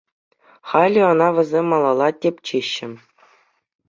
Халӗ ӑна вӗсем малалла тӗпчеҫҫӗ.